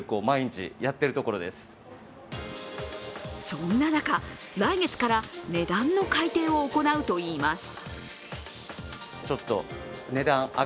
そんな中、来月から値段の改定を行うといいます。